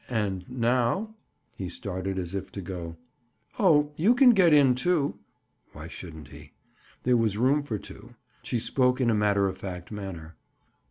"And now—?" He started as if to go. "Oh, you can get in, too." Why shouldn't he? There was room for two. She spoke in a matter of fact manner.